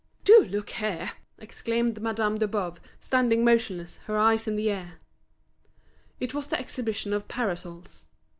"Do look there!" exclaimed Madame de Boves, standing motionless, her eyes in the air. It was the exhibition of parasols.